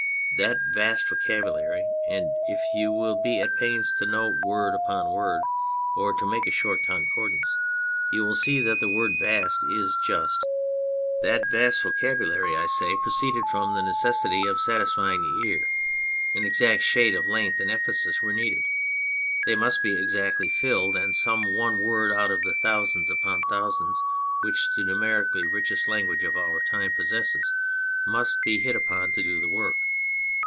That vast vocabulary (and if you will be at the pains to note word upon word or to make a short concordance you will see that the word " vast " is just) that vast vocabulary, I say, 58 On a Poet proceeded from the necessity of satisfying the ear. An exact shade of length and emphasis were needed ; they must be exactly filled, and some one word out of the thousands upon thousands which the numer ically richest language of our time possesses must be hit upon to do the work.